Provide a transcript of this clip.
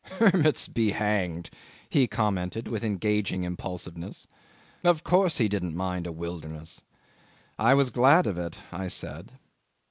"Hermits be hanged!" he commented with engaging impulsiveness. Of course he didn't mind a wilderness. ... "I was glad of it," I said.